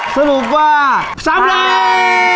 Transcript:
สรุปว่าสำเร็จ